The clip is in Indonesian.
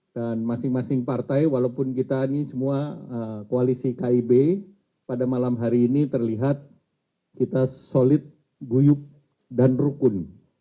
dan masing masing partai walaupun kita ini semua koalisi kib pada malam hari ini terlihat kita solid guyuk dan rukun